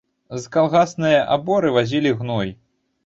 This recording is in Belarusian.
З калгаснае аборы вазілі гной.